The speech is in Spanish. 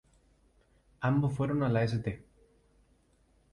Ambos fueron a la St.